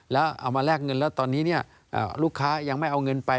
แล้วเอามาแลกเงินแล้วตอนนี้ลูกค้ายังไม่เอาเงินไป